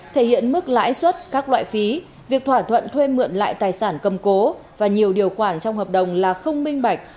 thể hiện mức lãi suất các loại phí việc thỏa thuận thuê mượn lại tài sản cầm cố và nhiều điều khoản trong hợp đồng là không minh bạch